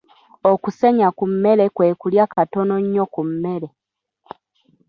Okusenya ku mmere kwe kulya katono nnyo ku mmere.